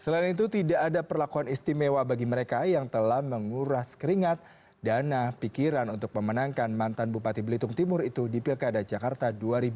selain itu tidak ada perlakuan istimewa bagi mereka yang telah menguras keringat dana pikiran untuk memenangkan mantan bupati belitung timur itu di pilkada jakarta dua ribu delapan belas